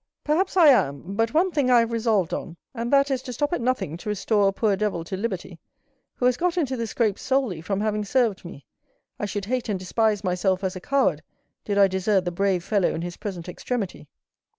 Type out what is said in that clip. "Perhaps I am; but one thing I have resolved on, and that is, to stop at nothing to restore a poor devil to liberty, who has got into this scrape solely from having served me. I should hate and despise myself as a coward did I desert the brave fellow in his present extremity."